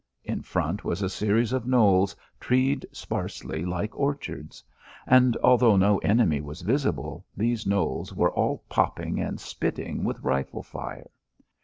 In front was a series of knolls treed sparsely like orchards; and although no enemy was visible, these knolls were all popping and spitting with rifle fire.